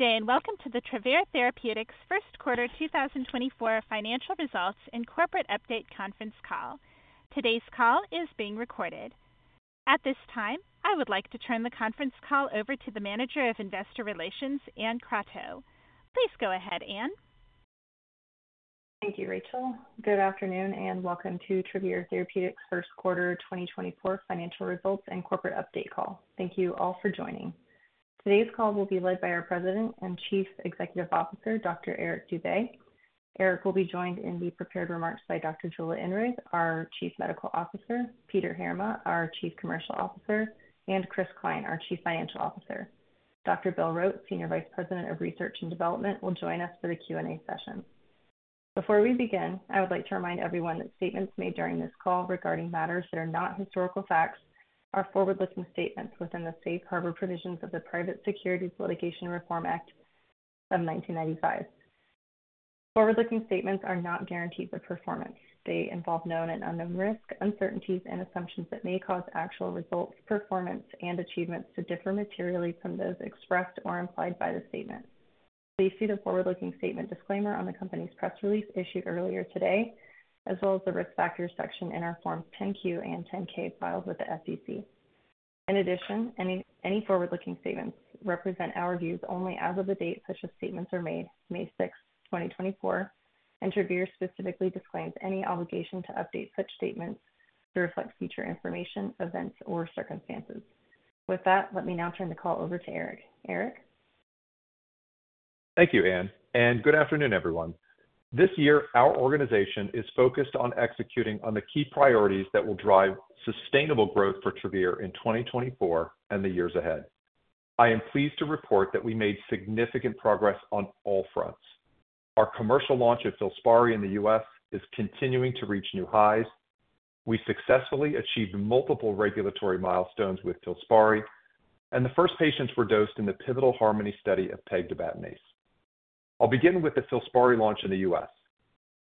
Good day and welcome to the Travere Therapeutics First Quarter 2024 Financial Results and Corporate Update Conference Call. Today's call is being recorded. At this time, I would like to turn the conference call over to the Manager of Investor Relations, Anne Crotteau. Please go ahead, Anne. Thank you, Rachel. Good afternoon and welcome to Travere Therapeutics First Quarter 2024 Financial Results and Corporate Update Call. Thank you all for joining. Today's call will be led by our President and Chief Executive Officer, Dr. Eric Dube. Eric will be joined in the prepared remarks by Dr. Jula Inrig, our Chief Medical Officer; Peter Heerma, our Chief Commercial Officer; and Chris Cline, our Chief Financial Officer. Dr. Bill Rote, Senior Vice President of Research and Development, will join us for the Q&A session. Before we begin, I would like to remind everyone that statements made during this call regarding matters that are not historical facts are forward-looking statements within the safe harbor provisions of the Private Securities Litigation Reform Act of 1995. Forward-looking statements are not guaranteed the performance. They involve known and unknown risk, uncertainties, and assumptions that may cause actual results, performance, and achievements to differ materially from those expressed or implied by the statement. Please see the forward-looking statement disclaimer on the company's press release issued earlier today, as well as the risk factors section in our Forms 10-Q and 10-K filed with the SEC. In addition, any forward-looking statements represent our views only as of the date such statements are made, May 6, 2024, and Travere specifically disclaims any obligation to update such statements to reflect future information, events, or circumstances. With that, let me now turn the call over to Eric. Eric? Thank you, Anne, and good afternoon, everyone. This year, our organization is focused on executing on the key priorities that will drive sustainable growth for Travere in 2024 and the years ahead. I am pleased to report that we made significant progress on all fronts. Our commercial launch of FILSPARI in the U.S. is continuing to reach new highs. We successfully achieved multiple regulatory milestones with FILSPARI, and the first patients were dosed in the pivotal HARMONY study of Pegtibatinase. I'll begin with the FILSPARI launch in the U.S.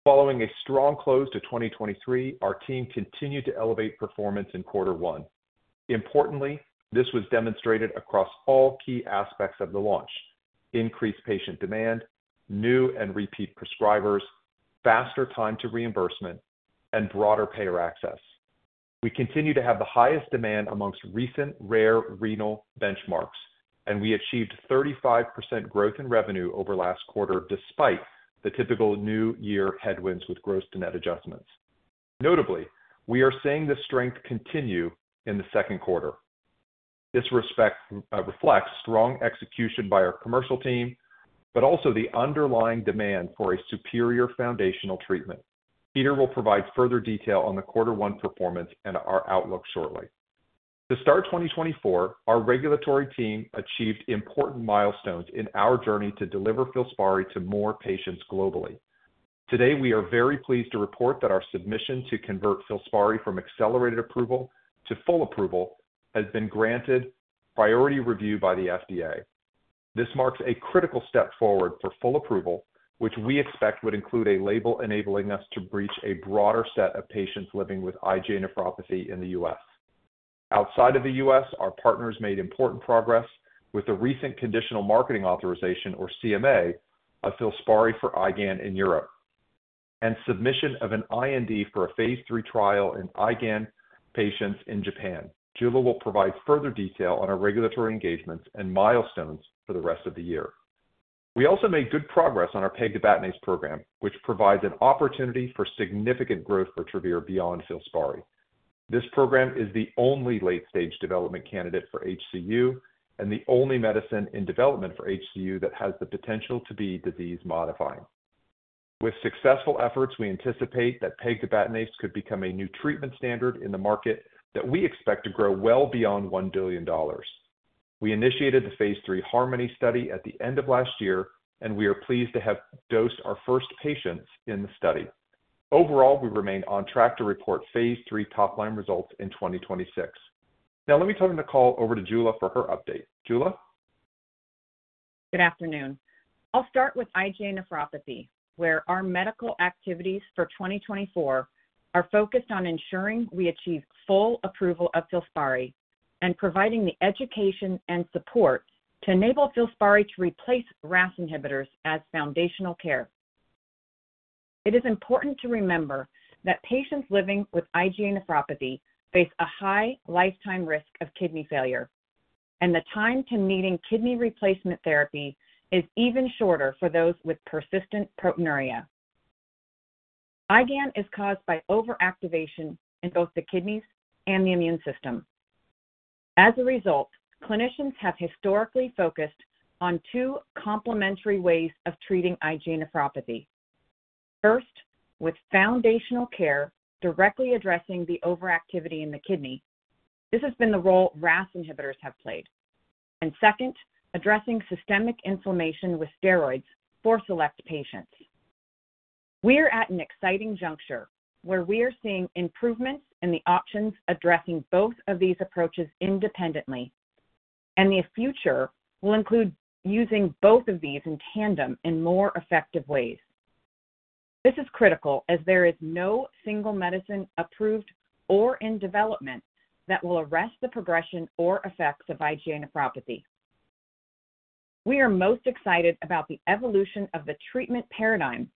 Following a strong close to 2023, our team continued to elevate performance in Quarter 1. Importantly, this was demonstrated across all key aspects of the launch: increased patient demand, new and repeat prescribers, faster time to reimbursement, and broader payer access. We continue to have the highest demand among recent rare renal benchmarks, and we achieved 35% growth in revenue over last quarter despite the typical new year headwinds with gross-to-net adjustments. Notably, we are seeing this strength continue in the second quarter. This reflects strong execution by our commercial team, but also the underlying demand for a superior foundational treatment. Peter will provide further detail on the Quarter 1 performance and our outlook shortly. To start 2024, our regulatory team achieved important milestones in our journey to deliver FILSPARI to more patients globally. Today, we are very pleased to report that our submission to convert FILSPARI from accelerated approval to full approval has been granted priority review by the FDA. This marks a critical step forward for full approval, which we expect would include a label enabling us to reach a broader set of patients living with IgA nephropathy in the U.S. Outside of the U.S., our partners made important progress with the recent Conditional Marketing Authorization, or CMA, of FILSPARI for IgAN in Europe, and submission of an IND for a phase III trial in IgAN patients in Japan. Jula will provide further detail on our regulatory engagements and milestones for the rest of the year. We also made good progress on our pegtibatinase program, which provides an opportunity for significant growth for Travere beyond FILSPARI. This program is the only late-stage development candidate for HCU and the only medicine in development for HCU that has the potential to be disease-modifying. With successful efforts, we anticipate that Pegtibatinase could become a new treatment standard in the market that we expect to grow well beyond $1 billion. We initiated the phase III HARMONY study at the end of last year, and we are pleased to have dosed our first patients in the study. Overall, we remain on track to report phase III top-line results in 2026. Now, let me turn the call over to Jula for her update. Jula? Good afternoon. I'll start with IgA nephropathy, where our medical activities for 2024 are focused on ensuring we achieve full approval of FILSPARI and providing the education and support to enable FILSPARI to replace RAAS inhibitors as foundational care. It is important to remember that patients living with IgA nephropathy face a high lifetime risk of kidney failure, and the time to needing kidney replacement therapy is even shorter for those with persistent proteinuria. IgAN is caused by overactivation in both the kidneys and the immune system. As a result, clinicians have historically focused on two complementary ways of treating IgA nephropathy. First, with foundational care directly addressing the overactivity in the kidney, this has been the role RAAS inhibitors have played, and second, addressing systemic inflammation with steroids for select patients. We are at an exciting juncture where we are seeing improvements in the options addressing both of these approaches independently, and the future will include using both of these in tandem in more effective ways. This is critical as there is no single medicine approved or in development that will arrest the progression or effects of IgA nephropathy. We are most excited about the evolution of the treatment paradigm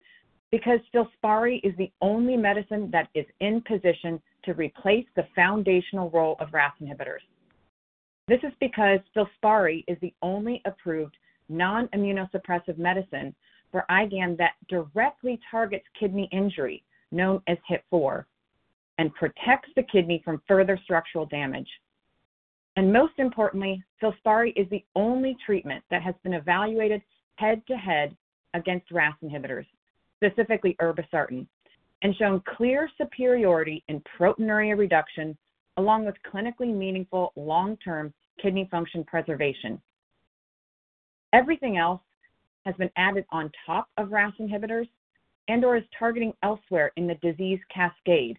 because FILSPARI is the only medicine that is in position to replace the foundational role of RAAS inhibitors. This is because FILSPARI is the only approved non-immunosuppressive medicine for IgAN that directly targets kidney injury known as Hit 4 and protects the kidney from further structural damage. Most importantly, FILSPARI is the only treatment that has been evaluated head-to-head against RAAS inhibitors, specifically irbesartan, and shown clear superiority in proteinuria reduction along with clinically meaningful long-term kidney function preservation. Everything else has been added on top of RAAS inhibitors and/or is targeting elsewhere in the disease cascade,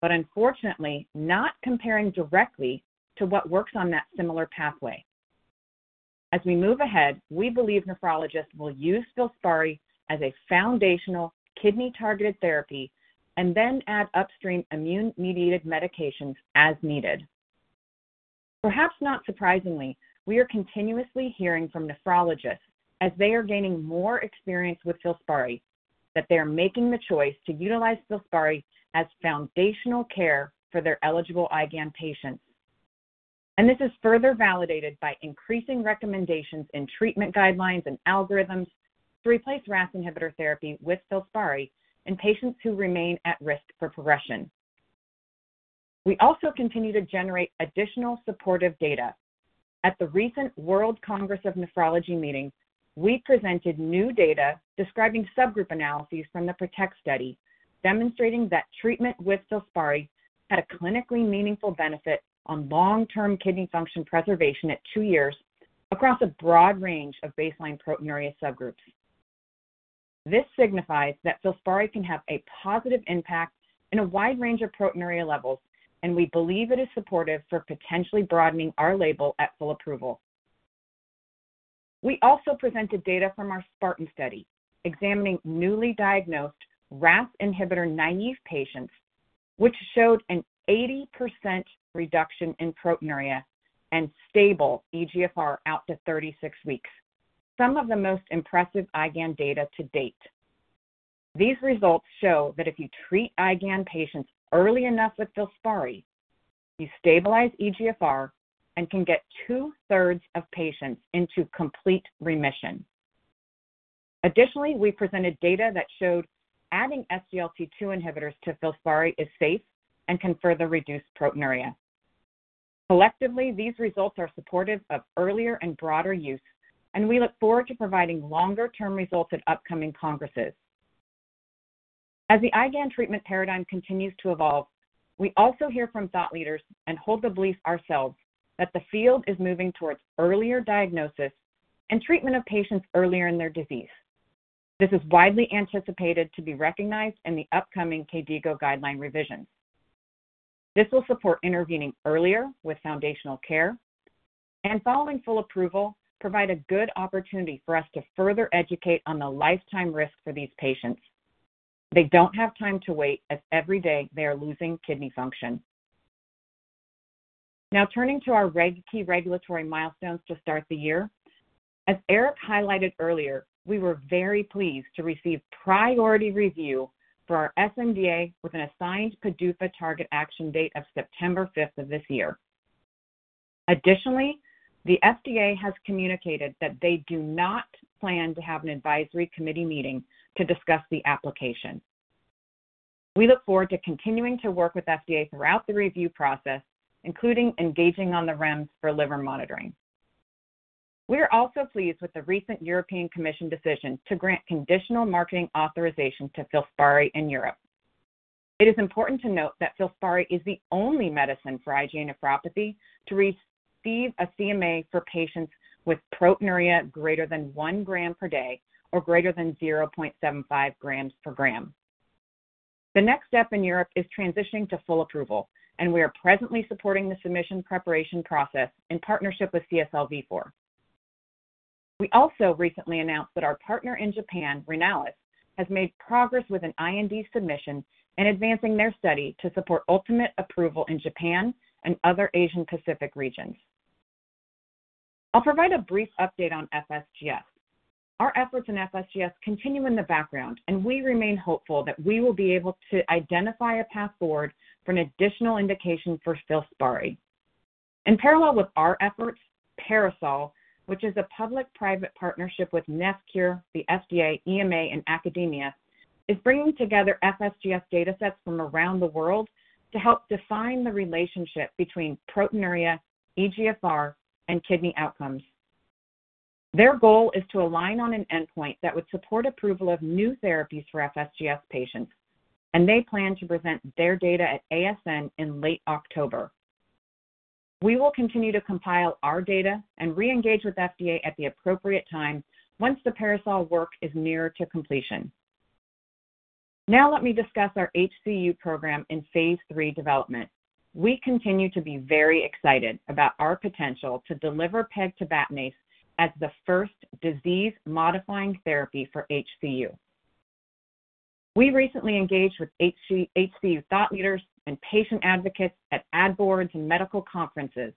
but unfortunately not comparing directly to what works on that similar pathway. As we move ahead, we believe nephrologists will use FILSPARI as a foundational kidney-targeted therapy and then add upstream immune-mediated medications as needed. Perhaps not surprisingly, we are continuously hearing from nephrologists as they are gaining more experience with FILSPARI that they are making the choice to utilize FILSPARI as foundational care for their eligible IgAN patients. This is further validated by increasing recommendations in treatment guidelines and algorithms to replace RAAS inhibitor therapy with FILSPARI in patients who remain at risk for progression. We also continue to generate additional supportive data. At the recent World Congress of Nephrology meeting, we presented new data describing subgroup analyses from the PROTECT study demonstrating that treatment with FILSPARI had a clinically meaningful benefit on long-term kidney function preservation at two years across a broad range of baseline proteinuria subgroups. This signifies that FILSPARI can have a positive impact in a wide range of proteinuria levels, and we believe it is supportive for potentially broadening our label at full approval. We also presented data from our SPARTAN study examining newly diagnosed RAAS inhibitor naïve patients, which showed an 80% reduction in proteinuria and stable eGFR out to 36 weeks, some of the most impressive IgAN data to date. These results show that if you treat IgAN patients early enough with FILSPARI, you stabilize eGFR and can get two-thirds of patients into complete remission. Additionally, we presented data that showed adding SGLT2 inhibitors to FILSPARI is safe and can further reduce proteinuria. Collectively, these results are supportive of earlier and broader use, and we look forward to providing longer-term results at upcoming congresses. As the IgAN treatment paradigm continues to evolve, we also hear from thought leaders and hold the belief ourselves that the field is moving towards earlier diagnosis and treatment of patients earlier in their disease. This is widely anticipated to be recognized in the upcoming KDIGO guideline revisions. This will support intervening earlier with foundational care and, following full approval, provide a good opportunity for us to further educate on the lifetime risk for these patients. They don't have time to wait, as every day they are losing kidney function. Now, turning to our key regulatory milestones to start the year. As Eric highlighted earlier, we were very pleased to receive priority review for our sNDA with an assigned PDUFA target action date of September 5th of this year. Additionally, the FDA has communicated that they do not plan to have an advisory committee meeting to discuss the application. We look forward to continuing to work with the FDA throughout the review process, including engaging on the REMS for liver monitoring. We are also pleased with the recent European Commission decision to grant Conditional Marketing Authorization to FILSPARI in Europe. It is important to note that FILSPARI is the only medicine for IgA nephropathy to receive a CMA for patients with proteinuria greater than one gram per day or greater than 0.75 grams per gram. The next step in Europe is transitioning to full approval, and we are presently supporting the submission preparation process in partnership with CSL Vifor. We also recently announced that our partner in Japan, Renalys, has made progress with an IND submission and advancing their study to support ultimate approval in Japan and other Asia-Pacific regions. I'll provide a brief update on FSGS. Our efforts in FSGS continue in the background, and we remain hopeful that we will be able to identify a path forward for an additional indication for FILSPARI. In parallel with our efforts, PARASOL, which is a public-private partnership with NephCure, the FDA, EMA, and academia, is bringing together FSGS datasets from around the world to help define the relationship between proteinuria, eGFR, and kidney outcomes. Their goal is to align on an endpoint that would support approval of new therapies for FSGS patients, and they plan to present their data at ASN in late October. We will continue to compile our data and reengage with the FDA at the appropriate time once the PARASOL work is near to completion. Now, let me discuss our HCU program in phase III development. We continue to be very excited about our potential to deliver PEG-2-abatanase as the first disease-modifying therapy for HCU. We recently engaged with HCU thought leaders and patient advocates at ad boards and medical conferences,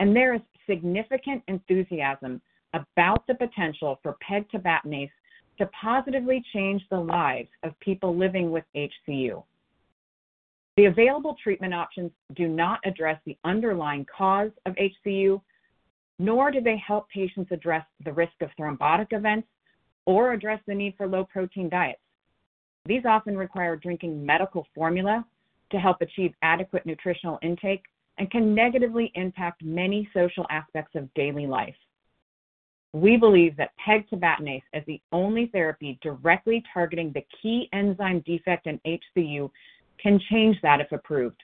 and there is significant enthusiasm about the potential for PEG-2-abatanase to positively change the lives of people living with HCU. The available treatment options do not address the underlying cause of HCU, nor do they help patients address the risk of thrombotic events or address the need for low-protein diets. These often require drinking medical formula to help achieve adequate nutritional intake and can negatively impact many social aspects of daily life. We believe that PEG-2-abatanase as the only therapy directly targeting the key enzyme defect in HCU can change that if approved.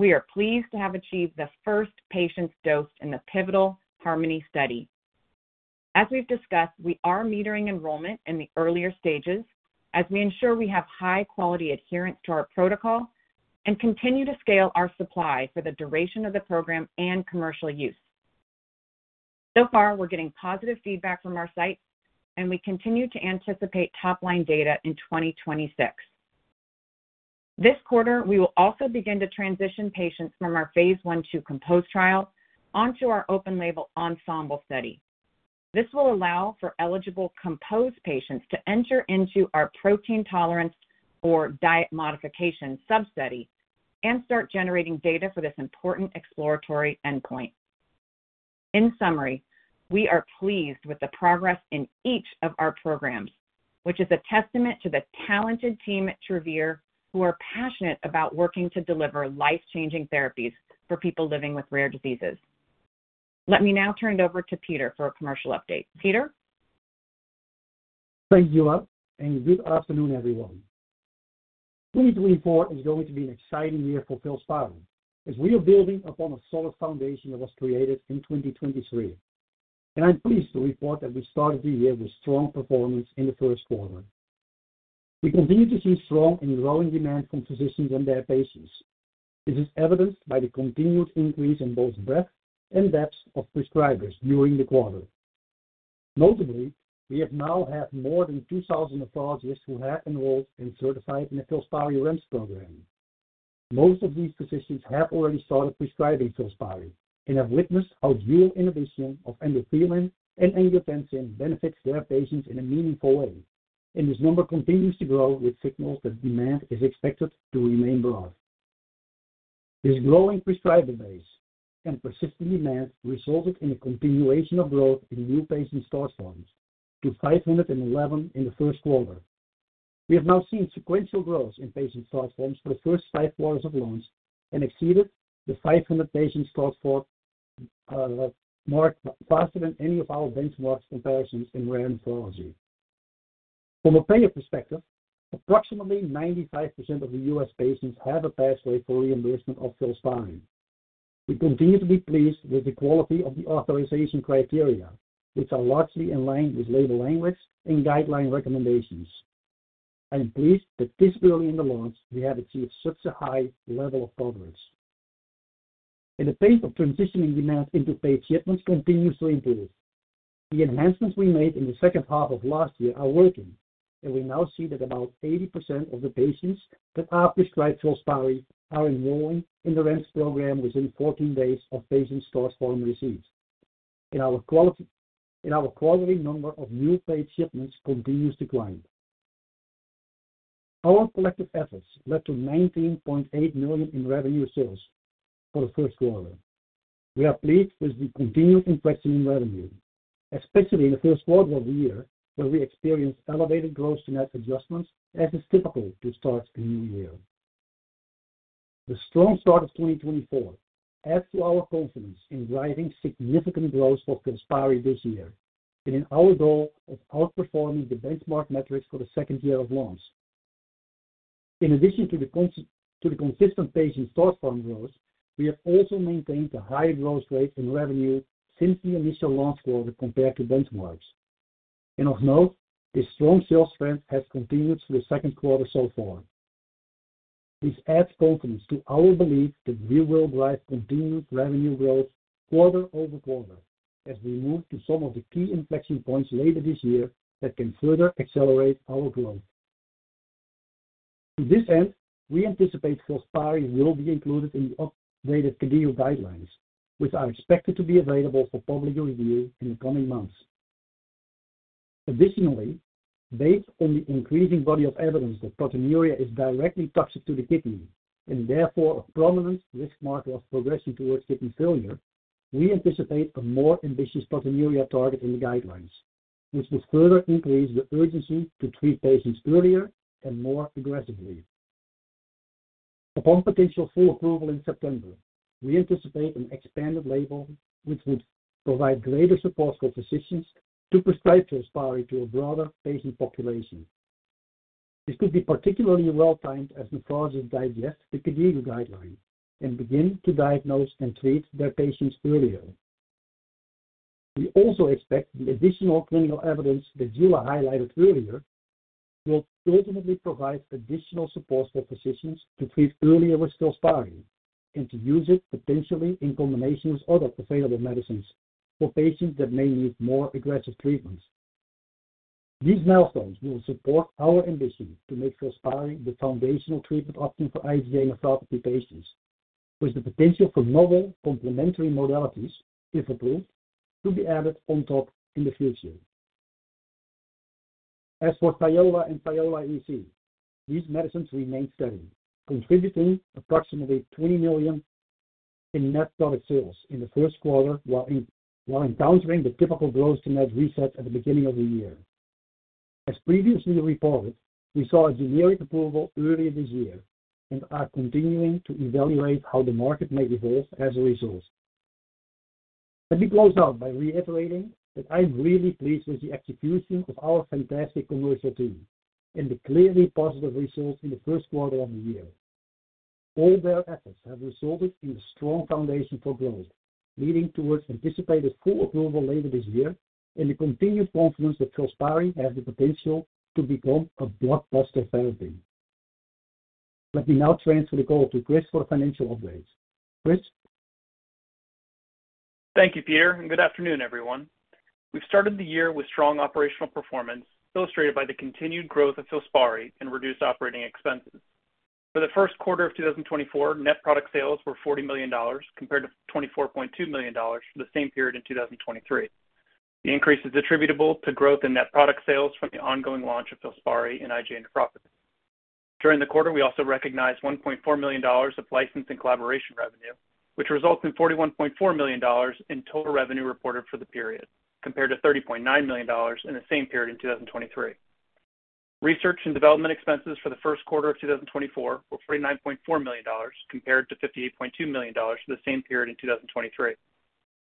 We are pleased to have achieved the first patients dosed in the pivotal HARMONY study. As we've discussed, we are metering enrollment in the earlier stages as we ensure we have high-quality adherence to our protocol and continue to scale our supply for the duration of the program and commercial use. So far, we're getting positive feedback from our site, and we continue to anticipate top-line data in 2026. This quarter, we will also begin to transition patients from our phase I-II COMPOSE trial onto our open-label ENSEMBLE study. This will allow for eligible COMPOSE patients to enter into our protein tolerance or diet modification sub-study and start generating data for this important exploratory endpoint. In summary, we are pleased with the progress in each of our programs, which is a testament to the talented team at Travere who are passionate about working to deliver life-changing therapies for people living with rare diseases. Let me now turn it over to Peter for a commercial update. Peter? Thanks, Jula, and good afternoon, everyone. 2024 is going to be an exciting year for FILSPARI, as we are building upon a solid foundation that was created in 2023, and I'm pleased to report that we started the year with strong performance in the first quarter. We continue to see strong and growing demand from physicians and their patients. This is evidenced by the continued increase in both breadth and depth of prescribers during the quarter. Notably, we have now had more than 2,000 nephrologists who have enrolled and certified in the FILSPARI REMS program. Most of these physicians have already started prescribing FILSPARI and have witnessed how dual inhibition of endothelin and angiotensin benefits their patients in a meaningful way, and this number continues to grow with signals that demand is expected to remain broad. This growing prescriber base and persistent demand resulted in a continuation of growth in new patient start forms to 511 in the first quarter. We have now seen sequential growth in patient start forms for the first five quarters of launch and exceeded the 500 patient start forms mark faster than any of our benchmark comparisons in rare nephrology. From a payer perspective, approximately 95% of the U.S. patients have a pathway for reimbursement of FILSPARI. We continue to be pleased with the quality of the authorization criteria, which are largely in line with label language and guideline recommendations. I am pleased that this early in the launch we have achieved such a high level of coverage. The pace of transitioning demand into paid shipments continues to improve. The enhancements we made in the second half of last year are working, and we now see that about 80% of the patients that are prescribed FILSPARI are enrolling in the REMS program within 14 days of patient start form receipt. Our quantity of new paid shipments continues to climb. Our collective efforts led to $19.8 million in revenue for the first quarter. We are pleased with the continued increasing in revenue, especially in the first quarter of the year where we experienced elevated gross-to-net adjustments, as is typical to start a new year. The strong start of 2024 adds to our confidence in driving significant growth for FILSPARI this year and in our goal of outperforming the benchmark metrics for the second year of launch. In addition to the consistent patient start form growth, we have also maintained a higher growth rate in revenue since the initial launch quarter compared to benchmarks. And of note, this strong sales trend has continued through the second quarter so far. This adds confidence to our belief that we will drive continued revenue growth quarter over quarter as we move to some of the key inflection points later this year that can further accelerate our growth. To this end, we anticipate FILSPARI will be included in the updated KDIGO guidelines, which are expected to be available for public review in the coming months. Additionally, based on the increasing body of evidence that proteinuria is directly toxic to the kidney and therefore a prominent risk marker of progression towards kidney failure, we anticipate a more ambitious proteinuria target in the guidelines, which will further increase the urgency to treat patients earlier and more aggressively. Upon potential full approval in September, we anticipate an expanded label, which would provide greater support for physicians to prescribe FILSPARI to a broader patient population. This could be particularly well-timed as nephrologists digest the KDIGO guidelines and begin to diagnose and treat their patients earlier. We also expect the additional clinical evidence that Jula highlighted earlier will ultimately provide additional support for physicians to treat earlier with FILSPARI and to use it potentially in combination with other available medicines for patients that may need more aggressive treatments. These milestones will support our ambition to make FILSPARI the foundational treatment option for IgA nephropathy patients, with the potential for novel complementary modalities, if approved, to be added on top in the future. As for Thiola and Thiola EC, these medicines remain steady, contributing approximately $20 million in net product sales in the first quarter while encountering the typical gross-to-net reset at the beginning of the year. As previously reported, we saw a generic approval earlier this year and are continuing to evaluate how the market may evolve as a result. Let me close out by reiterating that I am really pleased with the execution of our fantastic commercial team and the clearly positive results in the first quarter of the year. All their efforts have resulted in a strong foundation for growth, leading towards anticipated full approval later this year and the continued confidence that FILSPARI has the potential to become a blockbuster therapy. Let me now transfer the call to Chris for financial updates. Chris? Thank you, Peter, and good afternoon, everyone. We've started the year with strong operational performance illustrated by the continued growth of FILSPARI and reduced operating expenses. For the first quarter of 2024, net product sales were $40 million compared to $24.2 million for the same period in 2023. The increase is attributable to growth in net product sales from the ongoing launch of FILSPARI in IgA nephropathy. During the quarter, we also recognized $1.4 million of license and collaboration revenue, which results in $41.4 million in total revenue reported for the period compared to $30.9 million in the same period in 2023. Research and development expenses for the first quarter of 2024 were $49.4 million compared to $58.2 million for the same period in 2023.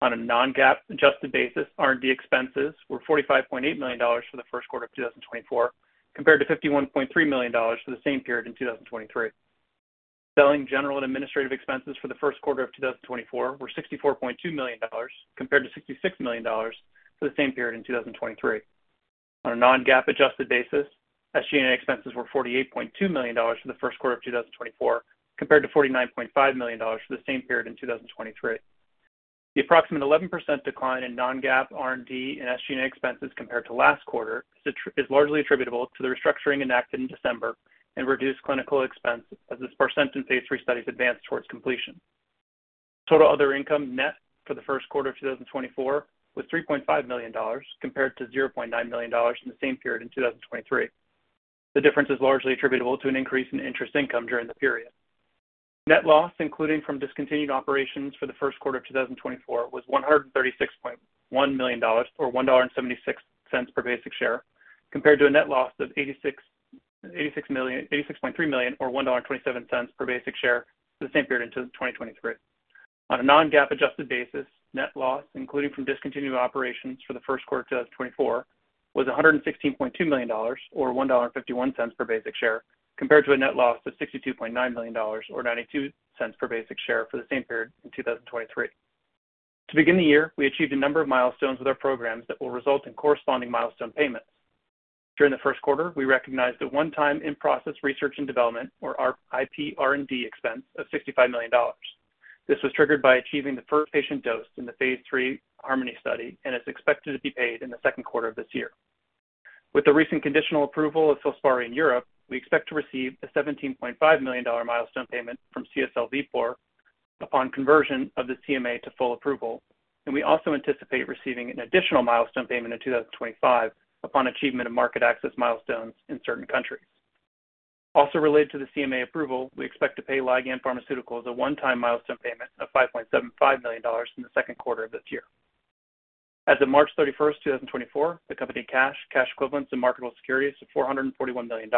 On a non-GAAP-adjusted basis, R&D expenses were $45.8 million for the first quarter of 2024 compared to $51.3 million for the same period in 2023. Selling, general and administrative expenses for the first quarter of 2024 were $64.2 million compared to $66 million for the same period in 2023. On a non-GAAP-adjusted basis, SG&A expenses were $48.2 million for the first quarter of 2024 compared to $49.5 million for the same period in 2023. The approximate 11% decline in non-GAAP R&D and SG&A expenses compared to last quarter is largely attributable to the restructuring enacted in December and reduced clinical expense as these patients in phase III studies advanced towards completion. Total other income, net for the first quarter of 2024 was $3.5 million compared to $0.9 million in the same period in 2023. The difference is largely attributable to an increase in interest income during the period. Net loss, including from discontinued operations for the first quarter of 2024, was $136.1 million or $1.76 per basic share compared to a net loss of $86.3 million or $1.27 per basic share for the same period in 2023. On a non-GAAP-adjusted basis, net loss, including from discontinued operations for the first quarter of 2024, was $116.2 million or $1.51 per basic share compared to a net loss of $62.9 million or $0.92 per basic share for the same period in 2023. To begin the year, we achieved a number of milestones with our programs that will result in corresponding milestone payments. During the first quarter, we recognized a one-time in-process research and development, or R&D, expense of $65 million. This was triggered by achieving the first patient dosed in the phase III HARMONY study and is expected to be paid in the second quarter of this year. With the recent conditional approval of FILSPARI in Europe, we expect to receive a $17.5 million milestone payment from CSL Vifor upon conversion of the CMA to full approval, and we also anticipate receiving an additional milestone payment in 2025 upon achievement of market access milestones in certain countries. Also related to the CMA approval, we expect to pay Ligand Pharmaceuticals a one-time milestone payment of $5.75 million in the second quarter of this year. As of March 31st, 2024, the company's cash, cash equivalents, and marketable securities of $441 million.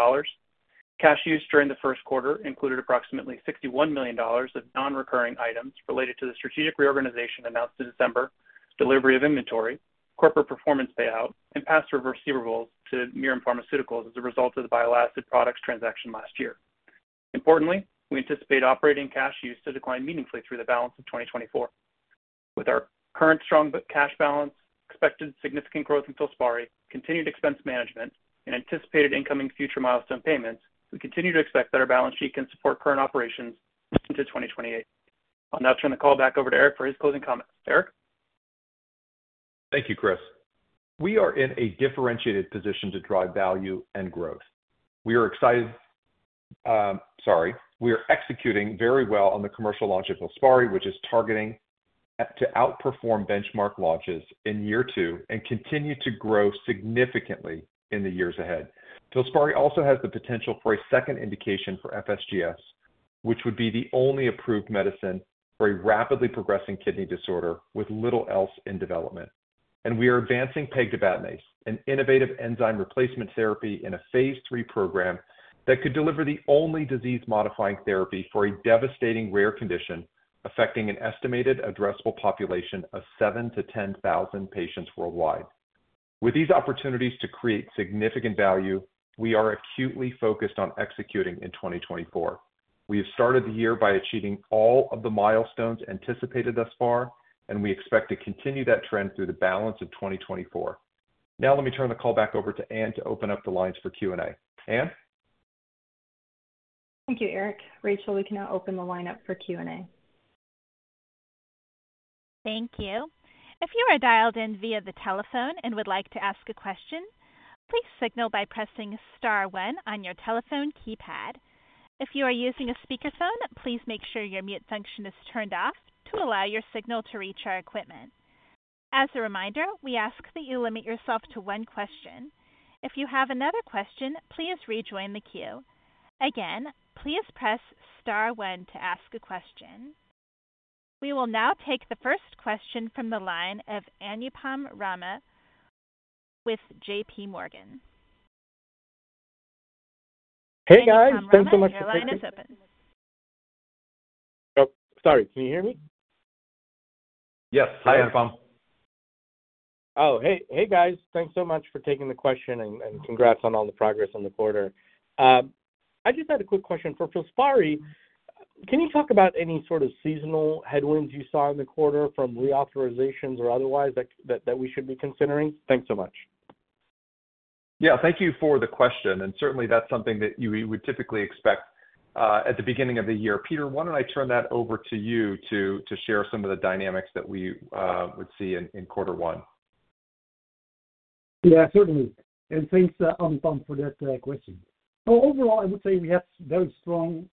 Cash used during the first quarter included approximately $61 million of non-recurring items related to the strategic reorganization announced in December, delivery of inventory, corporate performance payout, and past reversals to Mirum Pharmaceuticals as a result of the bile acid products transaction last year. Importantly, we anticipate operating cash used to decline meaningfully through the balance of 2024. With our current strong cash balance, expected significant growth in FILSPARI, continued expense management, and anticipated incoming future milestone payments, we continue to expect that our balance sheet can support current operations into 2028. I'll now turn the call back over to Eric for his closing comments. Eric? Thank you, Chris. We are in a differentiated position to drive value and growth. We are executing very well on the commercial launch of FILSPARI, which is targeting to outperform benchmark launches in year two and continue to grow significantly in the years ahead. FILSPARI also has the potential for a second indication for FSGS, which would be the only approved medicine for a rapidly progressing kidney disorder with little else in development. And we are advancing Pegtibatinase, an innovative enzyme replacement therapy in a phase III program that could deliver the only disease-modifying therapy for a devastating rare condition affecting an estimated addressable population of 7,000-10,000 patients worldwide. With these opportunities to create significant value, we are acutely focused on executing in 2024. We have started the year by achieving all of the milestones anticipated thus far, and we expect to continue that trend through the balance of 2024. Now let me turn the call back over to Anne to open up the lines for Q&A. Anne? Thank you, Eric. Rachel, we can now open the line up for Q&A. Thank you. If you are dialed in via the telephone and would like to ask a question, please signal by pressing *1 on your telephone keypad. If you are using a speakerphone, please make sure your mute function is turned off to allow your signal to reach our equipment. As a reminder, we ask that you limit yourself to one question. If you have another question, please rejoin the queue. Again, please press *1 to ask a question. We will now take the first question from the line of Anupam Rama with J.P. Morgan. Hey, guys. Thanks so much for taking. My line is open. Oh, sorry. Can you hear me? Yes. Hi, Anupam. Oh, hey. Hey, guys. Thanks so much for taking the question, and congrats on all the progress in the quarter. I just had a quick question. For FILSPARI, can you talk about any sort of seasonal headwinds you saw in the quarter from reauthorizations or otherwise that we should be considering? Thanks so much. Yeah. Thank you for the question. Certainly, that's something that we would typically expect at the beginning of the year. Peter, why don't I turn that over to you to share some of the dynamics that we would see in quarter one? Yeah, certainly. Thanks, Anupam, for that question. Overall, I would say we had very strong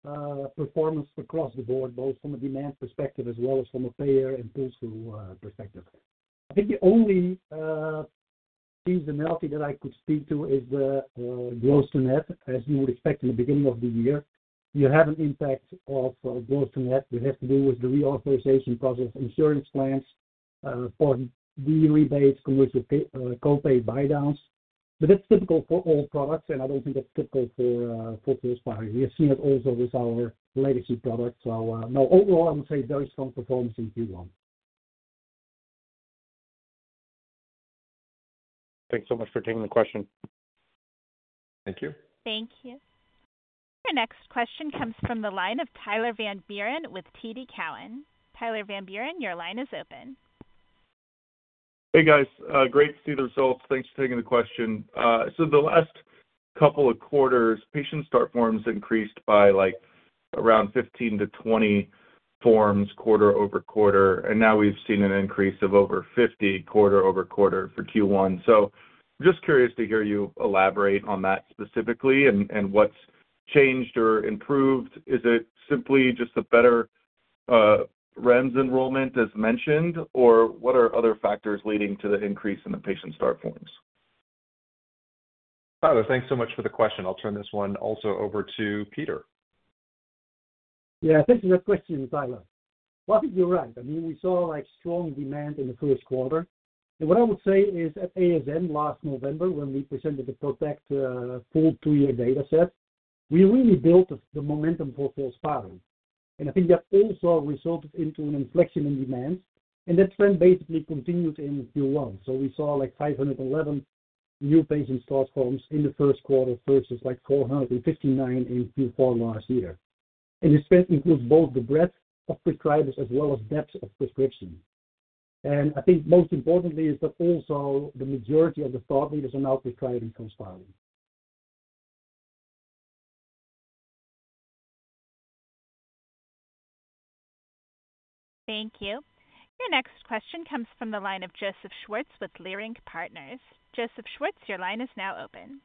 performance across the board, both from a demand perspective as well as from a payer and pull-through perspective. I think the only seasonality that I could speak to is the gross-to-net, as you would expect in the beginning of the year. You have an impact of gross-to-net that has to do with the reauthorization process, insurance plans, for the rebates, commercial copay buy-downs. But that's typical for all products, and I don't think that's typical for FILSPARI. We have seen it also with our legacy products. So no, overall, I would say very strong performance in Q1. Thanks so much for taking the question. Thank you. Thank you. Our next question comes from the line of Tyler Van Buren with TD Cowen. Tyler Van Buren, your line is open. Hey, guys. Great to see the results. Thanks for taking the question. So the last couple of quarters, patient start forms increased by around 15-20 forms quarter-over-quarter, and now we've seen an increase of over 50 quarter-over-quarter for Q1. So I'm just curious to hear you elaborate on that specifically and what's changed or improved. Is it simply just a better REMS enrollment, as mentioned, or what are other factors leading to the increase in the patient start forms? Tyler, thanks so much for the question. I'll turn this one also over to Peter. Yeah. Thanks for that question, Tyler. Well, I think you're right. I mean, we saw strong demand in the first quarter. And what I would say is at ASN last November, when we presented the PROTECT full 2-year dataset, we really built the momentum for FILSPARI. And I think that also resulted into an inflection in demand, and that trend basically continued in Q1. So we saw 511 new patient start forms in the first quarter versus 459 in Q4 last year. And this trend includes both the breadth of prescribers as well as depth of prescription. And I think most importantly is that also the majority of the thought leaders are now prescribing FILSPARI. Thank you. Your next question comes from the line of Joseph Schwartz with Leerink Partners. Joseph Schwartz, your line is now open.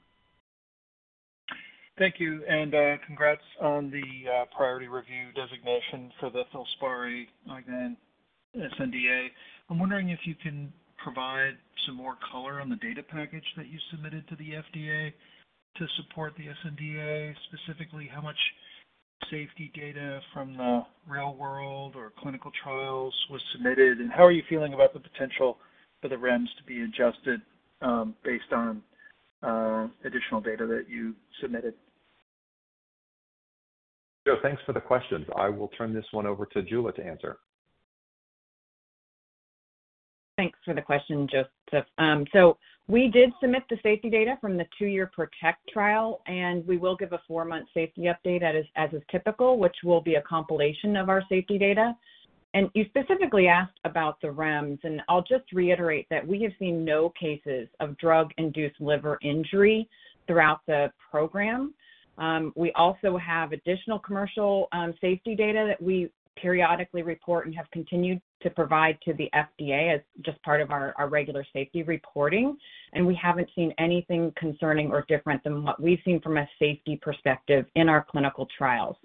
Thank you. Congrats on the priority review designation for the FILSPARI sNDA. I'm wondering if you can provide some more color on the data package that you submitted to the FDA to support the sNDA. Specifically, how much safety data from the real world or clinical trials was submitted, and how are you feeling about the potential for the REMS to be adjusted based on additional data that you submitted? Sure. Thanks for the questions. I will turn this one over to Jula to answer. Thanks for the question, Joseph. We did submit the safety data from the 2-year PROTECT trial, and we will give a 4-month safety update as is typical, which will be a compilation of our safety data. You specifically asked about the REMS, and I'll just reiterate that we have seen no cases of drug-induced liver injury throughout the program. We also have additional commercial safety data that we periodically report and have continued to provide to the FDA as just part of our regular safety reporting, and we haven't seen anything concerning or different than what we've seen from a safety perspective in our clinical trials.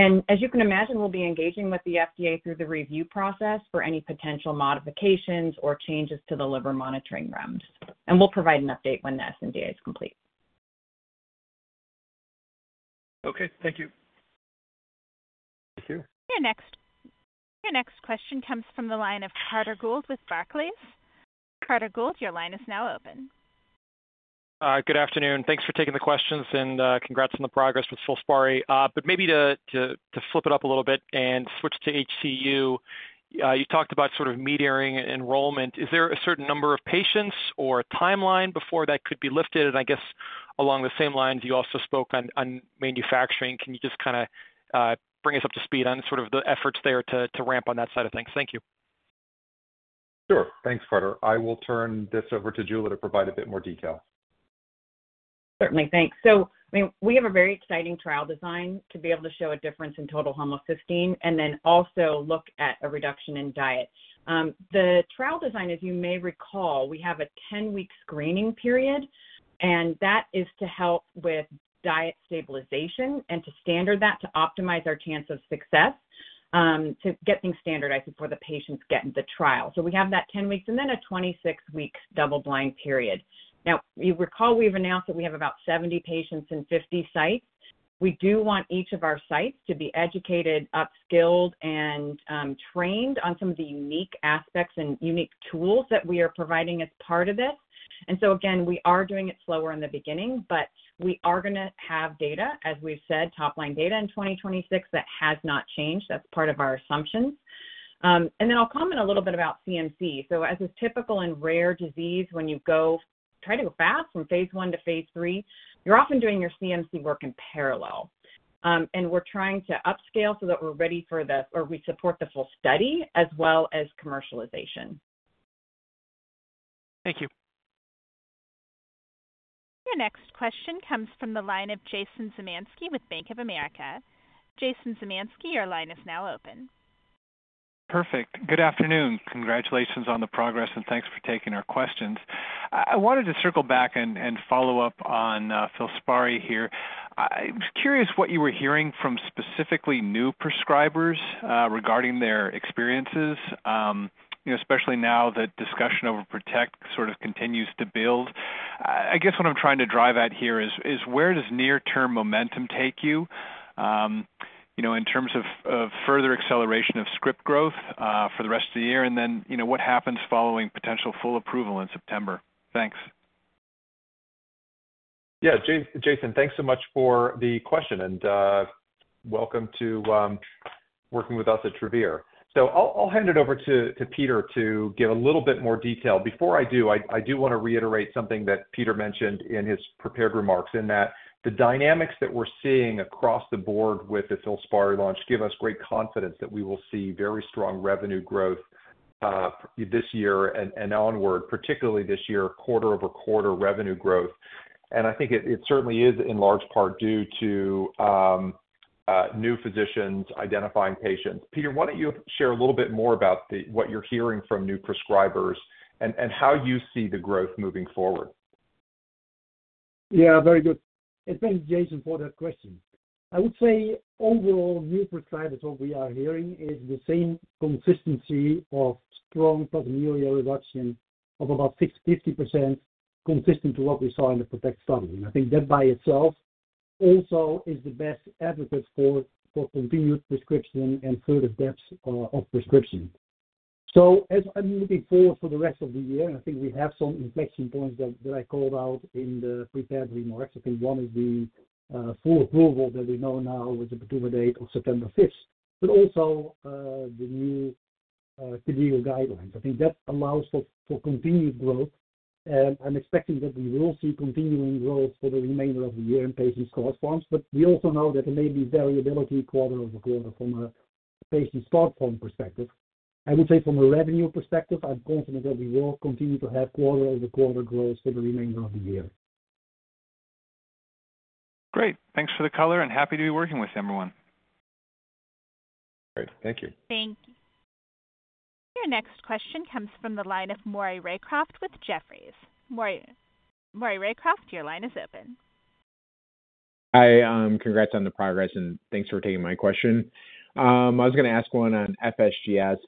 As you can imagine, we'll be engaging with the FDA through the review process for any potential modifications or changes to the liver monitoring REMS. We'll provide an update when the sNDA is complete. Okay. Thank you. Thank you. Your next question comes from the line of Carter Gould with Barclays. Carter Gould, your line is now open. Good afternoon. Thanks for taking the questions, and congrats on the progress with FILSPARI. But maybe to flip it up a little bit and switch to HCU, you talked about sort of metering enrollment. Is there a certain number of patients or a timeline before that could be lifted? And I guess along the same lines, you also spoke on manufacturing. Can you just kind of bring us up to speed on sort of the efforts there to ramp on that side of things? Thank you. Sure. Thanks, Carter. I will turn this over to Jula to provide a bit more detail. Certainly. Thanks. So I mean, we have a very exciting trial design to be able to show a difference in total homocysteine and then also look at a reduction in diet. The trial design, as you may recall, we have a 10-week screening period, and that is to help with diet stabilization and to standardize that to optimize our chance of success, to get things standardized before the patients get into the trial. So we have that 10 weeks and then a 26-week double-blind period. Now, you recall we've announced that we have about 70 patients in 50 sites. We do want each of our sites to be educated, upskilled, and trained on some of the unique aspects and unique tools that we are providing as part of this. So again, we are doing it slower in the beginning, but we are going to have data, as we've said, top-line data in 2026 that has not changed. That's part of our assumptions. And then I'll comment a little bit about CMC. So as is typical in rare disease, when you try to go fast from phase I to phase III, you're often doing your CMC work in parallel. And we're trying to upscale so that we're ready for the or we support the full study as well as commercialization. Thank you. Your next question comes from the line of Jason Zemansky with Bank of America. Jason Zemansky, your line is now open. Perfect. Good afternoon. Congratulations on the progress, and thanks for taking our questions. I wanted to circle back and follow up on FILSPARI here. I was curious what you were hearing from specifically new prescribers regarding their experiences, especially now that discussion over PROTECT sort of continues to build. I guess what I'm trying to drive at here is where does near-term momentum take you in terms of further acceleration of script growth for the rest of the year, and then what happens following potential full approval in September? Thanks. Yeah. Jason, thanks so much for the question, and welcome to working with us at Travere. So I'll hand it over to Peter to give a little bit more detail. Before I do, I do want to reiterate something that Peter mentioned in his prepared remarks, in that the dynamics that we're seeing across the board with the FILSPARI launch give us great confidence that we will see very strong revenue growth this year and onward, particularly this year, quarter-over-quarter revenue growth. I think it certainly is in large part due to new physicians identifying patients. Peter, why don't you share a little bit more about what you're hearing from new prescribers and how you see the growth moving forward? Yeah. Very good. And thanks, Jason, for that question. I would say overall, new prescribers, what we are hearing is the same consistency of strong proteinuria reduction of about 50% consistent to what we saw in the PROTECT study. And I think that by itself also is the best advocate for continued prescription and further depth of prescription. So as I'm looking forward for the rest of the year, I think we have some inflection points that I called out in the prepared remarks. I think one is the full approval that we know now with the PDUFA date of September 5th, but also the new KDIGO guidelines. I think that allows for continued growth. And I'm expecting that we will see continuing growth for the remainder of the year in patient start forms. But we also know that there may be variability quarter-over-quarter from a patient start form perspective. I would say from a revenue perspective, I'm confident that we will continue to have quarter-over-quarter growth for the remainder of the year. Great. Thanks for the color, and happy to be working with everyone. Great. Thank you. Thank you. Your next question comes from the line of Maury Raycroft with Jefferies. Maury Raycroft, your line is open. Hi. Congrats on the progress, and thanks for taking my question. I was going to ask one on FSGS.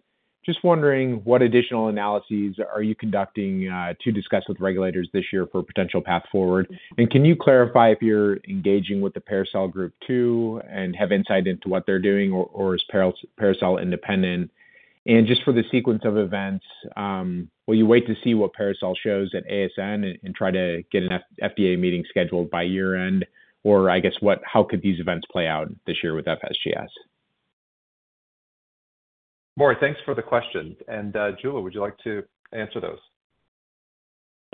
Just wondering, what additional analyses are you conducting to discuss with regulators this year for a potential path forward? And can you clarify if you're engaging with the PARASOL group too and have insight into what they're doing, or is PARASOL independent? And just for the sequence of events, will you wait to see what PARASOL shows at ASN and try to get an FDA meeting scheduled by year-end? Or I guess, how could these events play out this year with FSGS? Boy, thanks for the questions. Jula, would you like to answer those?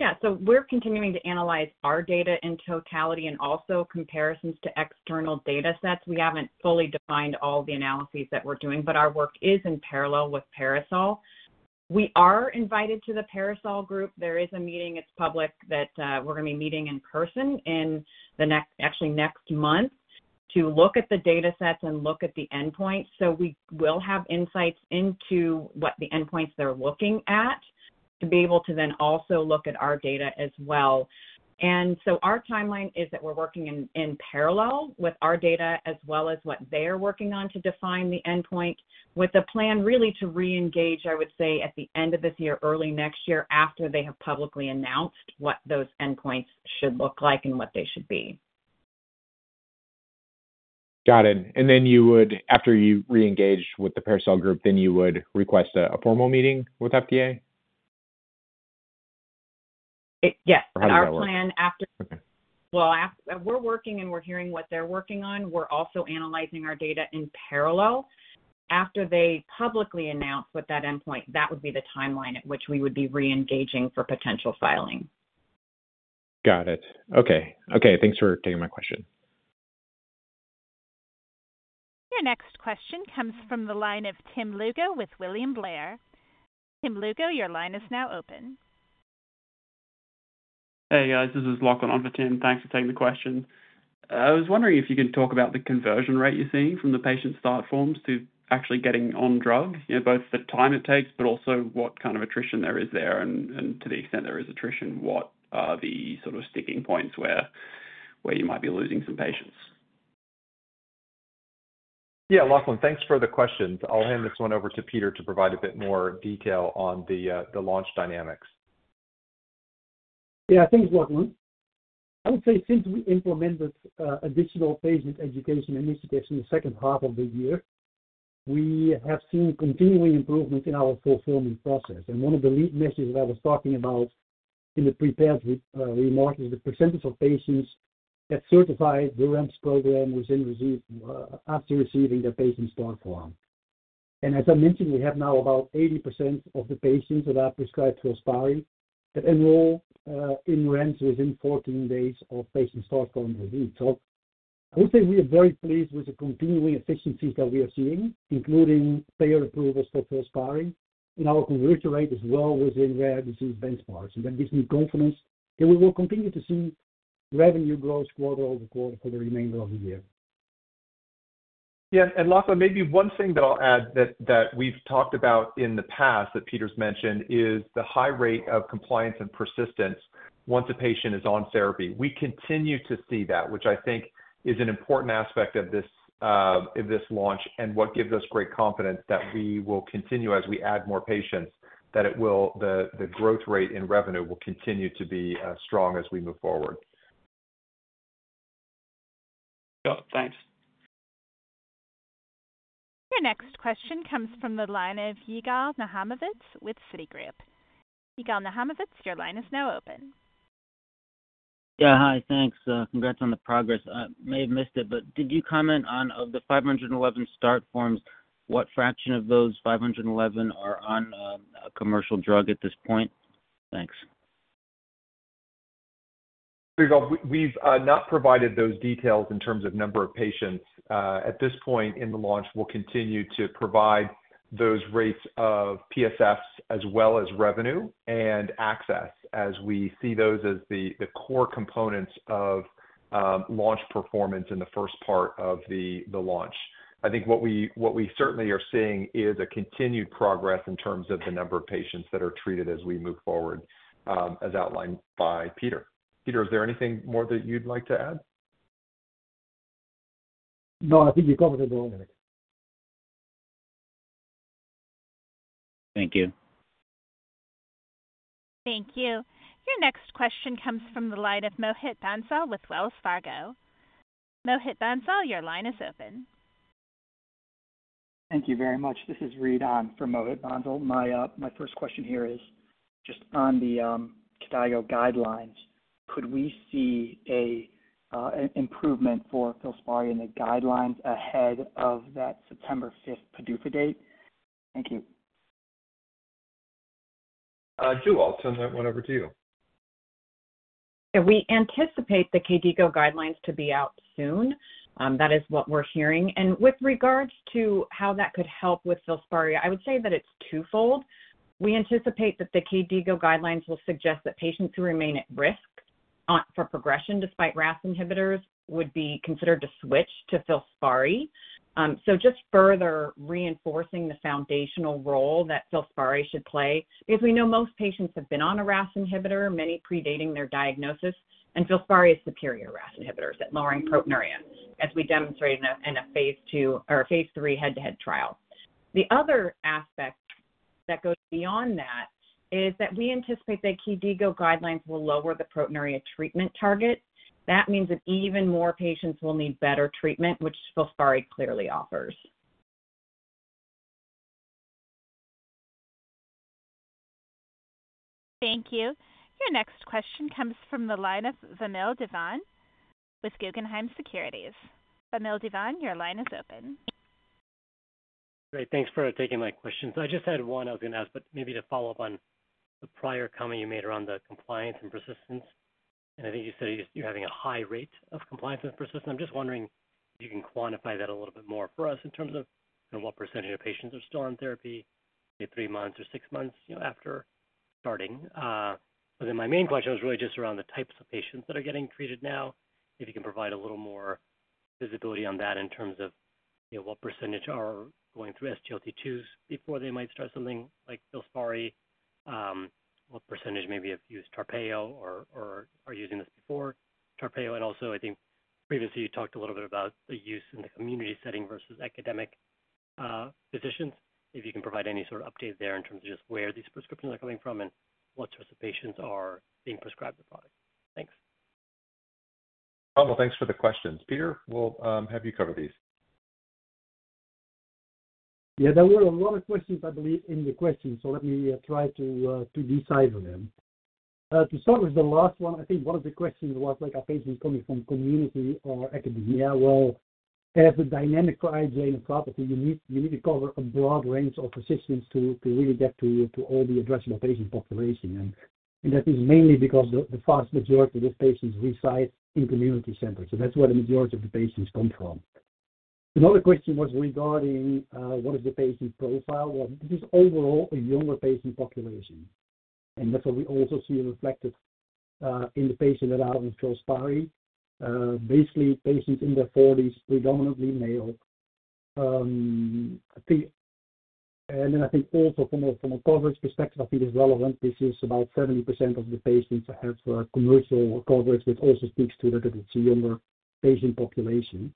Yeah. So we're continuing to analyze our data in totality and also comparisons to external datasets. We haven't fully defined all the analyses that we're doing, but our work is in parallel with PARASOL. We are invited to the PARASOL group. There is a meeting. It's public that we're going to be meeting in person in actually next month to look at the datasets and look at the endpoints. So we will have insights into what the endpoints they're looking at to be able to then also look at our data as well. And so our timeline is that we're working in parallel with our data as well as what they're working on to define the endpoint, with a plan really to reengage, I would say, at the end of this year, early next year, after they have publicly announced what those endpoints should look like and what they should be. Got it. And then after you reengage with the PARASOL group, then you would request a formal meeting with FDA? Yes. Our plan after, well, we're working, and we're hearing what they're working on. We're also analyzing our data in parallel. After they publicly announce what that endpoint, that would be the timeline at which we would be reengaging for potential filing. Got it. Okay. Okay. Thanks for taking my question. Your next question comes from the line of Tim Lugo with William Blair. Tim Lugo, your line is now open. Hey, guys. This is Lachlan Hanbury-Brown. Thanks for taking the question. I was wondering if you can talk about the conversion rate you're seeing from the patient start forms to actually getting on drug, both the time it takes but also what kind of attrition there is there. And to the extent there is attrition, what are the sort of sticking points where you might be losing some patients? Yeah. Lachlan, thanks for the questions. I'll hand this one over to Peter to provide a bit more detail on the launch dynamics. Yeah. Thanks, Lachlan. I would say since we implemented additional patient education initiatives in the second half of the year, we have seen continuing improvements in our fulfillment process. And one of the lead messages that I was talking about in the prepared remarks is the percentage of patients that certified the REMS program after receiving their patient start form. And as I mentioned, we have now about 80% of the patients that are prescribed FILSPARI that enroll in REMS within 14 days of patient start form receipt. So I would say we are very pleased with the continuing efficiencies that we are seeing, including payer approvals for FILSPARI and our conversion rate as well within rare disease benchmarks. And that gives me confidence that we will continue to see revenue growth quarter over quarter for the remainder of the year. Yeah. Lachlan, maybe one thing that I'll add that we've talked about in the past that Peter's mentioned is the high rate of compliance and persistence once a patient is on therapy. We continue to see that, which I think is an important aspect of this launch and what gives us great confidence that we will continue as we add more patients, that the growth rate in revenue will continue to be strong as we move forward. Sure. Thanks. Your next question comes from the line of Yigal Nochomovitz with Citigroup. Yigal Nochomovitz, your line is now open. Yeah. Hi. Thanks. Congrats on the progress. I may have missed it, but did you comment on, of the 511 start forms, what fraction of those 511 are on a commercial drug at this point? Thanks. Yigal, we've not provided those details in terms of number of patients. At this point in the launch, we'll continue to provide those rates of PSFs as well as revenue and access as we see those as the core components of launch performance in the first part of the launch. I think what we certainly are seeing is a continued progress in terms of the number of patients that are treated as we move forward, as outlined by Peter. Peter, is there anything more that you'd like to add? No. I think you covered it all, Eric. Thank you. Thank you. Your next question comes from the line of Mohit Bansal with Wells Fargo. Mohit Bansal, your line is open. Thank you very much. This is Reid on for Mohit Bansal. My first question here is just on the KDIGO guidelines. Could we see an improvement for FILSPARI in the guidelines ahead of that September 5th PDUFA date? Thank you. Jula, I'll turn that one over to you. Yeah. We anticipate the KDIGO guidelines to be out soon. That is what we're hearing. And with regards to how that could help with FILSPARI, I would say that it's twofold. We anticipate that the KDIGO guidelines will suggest that patients who remain at risk for progression despite RAAS inhibitors would be considered to switch to FILSPARI. So just further reinforcing the foundational role that FILSPARI should play because we know most patients have been on a RAAS inhibitor, many predating their diagnosis, and FILSPARI is superior RAAS inhibitors at lowering proteinuria as we demonstrated in a phase II or a phase III head-to-head trial. The other aspect that goes beyond that is that we anticipate that KDIGO guidelines will lower the proteinuria treatment target. That means that even more patients will need better treatment, which FILSPARI clearly offers. Thank you. Your next question comes from the line of Vamil Divan with Guggenheim Securities. Vamil Divan, your line is open. Great. Thanks for taking my questions. I just had one I was going to ask, but maybe to follow up on the prior comment you made around the compliance and persistence. I think you said you're having a high rate of compliance and persistence. I'm just wondering if you can quantify that a little bit more for us in terms of what percentage of patients are still on therapy, say, three months or six months after starting. But then my main question was really just around the types of patients that are getting treated now, if you can provide a little more visibility on that in terms of what percentage are going through SGLT2s before they might start something like FILSPARI, what percentage maybe have used TARPEO or are using this before, TARPEO. Also, I think previously, you talked a little bit about the use in the community setting versus academic physicians, if you can provide any sort of update there in terms of just where these prescriptions are coming from and what sorts of patients are being prescribed the product. Thanks. Well, thanks for the questions. Peter, we'll have you cover these. Yeah. There were a lot of questions, I believe, in the questions, so let me try to decipher them. To start with the last one, I think one of the questions was, are patients coming from community or academia? Well, as the dynamic for IgA nephropathy, you need to cover a broad range of physicians to really get to all the addressable patient population. And that is mainly because the vast majority of those patients reside in community centers. So that's where the majority of the patients come from. Another question was regarding what is the patient profile. Well, this is overall a younger patient population, and that's what we also see reflected in the patients that are on FILSPARI. Basically, patients in their 40s, predominantly male. And then I think also from a coverage perspective, I think it's relevant. This is about 70% of the patients have commercial coverage, which also speaks to that it's a younger patient population.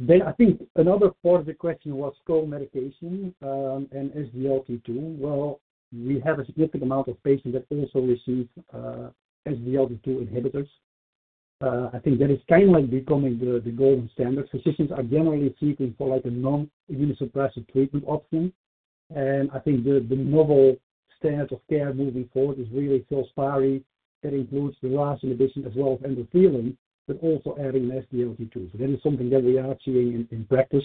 Then I think another part of the question was co-medication and SGLT2. Well, we have a significant amount of patients that also receive SGLT2 inhibitors. I think that is kind of becoming the golden standard. Physicians are generally seeking for a non-immunosuppressive treatment option. And I think the novel standard of care moving forward is really FILSPARI that includes the RAAS inhibition as well as endothelin, but also adding an SGLT2. So that is something that we are seeing in practice.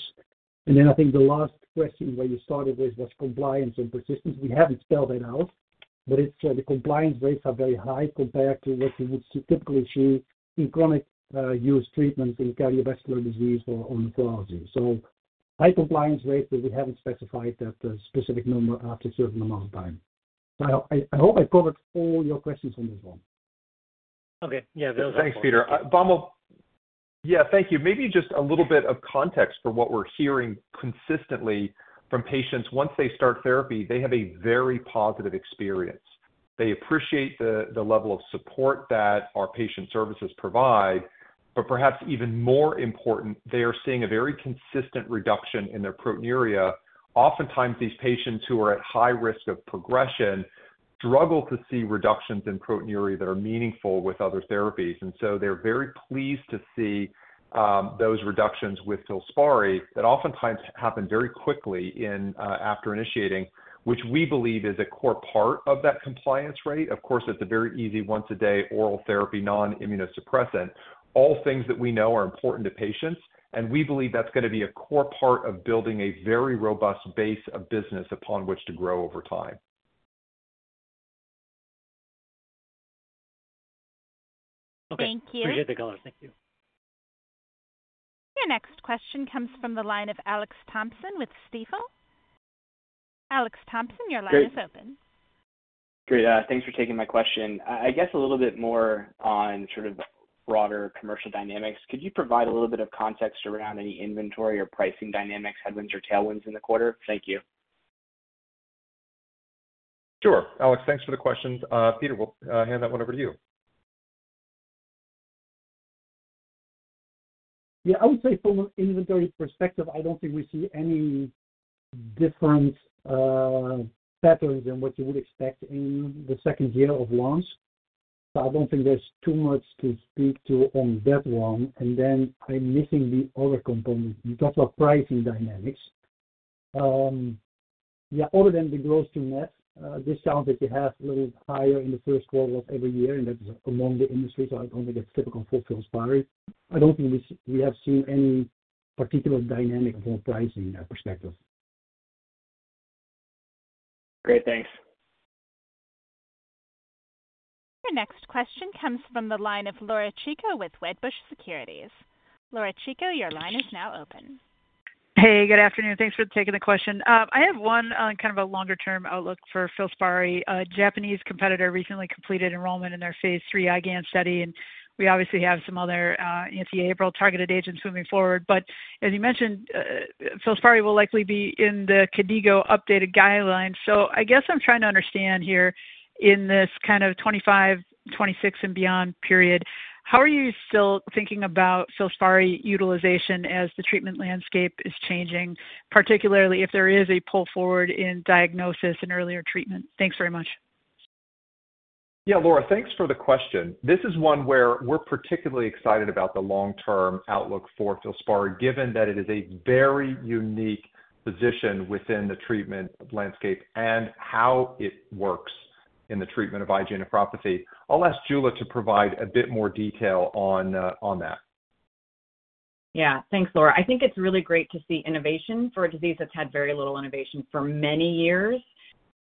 And then I think the last question where you started with was compliance and persistence. We haven't spelled that out, but the compliance rates are very high compared to what you would typically see in chronic-use treatments in cardiovascular disease or nephrology. So high compliance rates, but we haven't specified that specific number after a certain amount of time. So I hope I covered all your questions on this one. Okay. Yeah. Thanks, Peter. Yeah. Thank you. Maybe just a little bit of context for what we're hearing consistently from patients. Once they start therapy, they have a very positive experience. They appreciate the level of support that our patient services provide. But perhaps even more important, they are seeing a very consistent reduction in their proteinuria. Oftentimes, these patients who are at high risk of progression struggle to see reductions in proteinuria that are meaningful with other therapies. And so they're very pleased to see those reductions with FILSPARI that oftentimes happen very quickly after initiating, which we believe is a core part of that compliance rate. Of course, it's a very easy once-a-day oral therapy, non-immunosuppressant, all things that we know are important to patients. We believe that's going to be a core part of building a very robust base of business upon which to grow over time. Thank you. We get the colors. Thank you. Your next question comes from the line of Alex Thompson with Stifel. Alex Thompson, your line is open. Great. Thanks for taking my question. I guess a little bit more on sort of broader commercial dynamics. Could you provide a little bit of context around any inventory or pricing dynamics, headwinds or tailwinds in the quarter? Thank you. Sure, Alex. Thanks for the questions. Peter, we'll hand that one over to you. Yeah. I would say from an inventory perspective, I don't think we see any different patterns than what you would expect in the second year of launch. So I don't think there's too much to speak to on that one. And then I'm missing the other component. You talked about pricing dynamics. Yeah. Other than the gross-to-net, this challenge that you have a little higher in the first quarter of every year, and that's among the industry, so I don't think it's typical for FILSPARI. I don't think we have seen any particular dynamic from a pricing perspective. Great. Thanks. Your next question comes from the line of Laura Chico with Wedbush Securities. Laura Chico, your line is now open. Hey. Good afternoon. Thanks for taking the question. I have one kind of a longer-term outlook for FILSPARI. A Japanese competitor recently completed enrollment in their phase III IgAN study, and we obviously have some other non-APRIL targeted agents moving forward. But as you mentioned, FILSPARI will likely be in the KDIGO updated guidelines. So I guess I'm trying to understand here in this kind of 2025, 2026 and beyond period, how are you still thinking about FILSPARI utilization as the treatment landscape is changing, particularly if there is a pull forward in diagnosis and earlier treatment? Thanks very much. Yeah. Laura, thanks for the question. This is one where we're particularly excited about the long-term outlook for FILSPARI, given that it is a very unique position within the treatment landscape and how it works in the treatment of IgA nephropathy. I'll ask Jula to provide a bit more detail on that. Yeah. Thanks, Laura. I think it's really great to see innovation for a disease that's had very little innovation for many years.